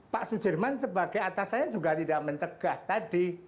pak sudirman sebagai atasannya juga tidak mencegah tadi